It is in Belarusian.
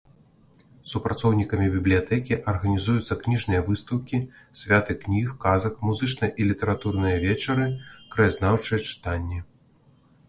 Супрацоўнікамі бібліятэкі арганізуюцца кніжныя выстаўкі, святы кніг, казак, музычныя і літаратурныя вечары, краязнаўчыя чытанні.